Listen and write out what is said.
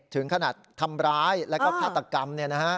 ถึงขนาดทำร้ายแล้วก็ฆาตกรรม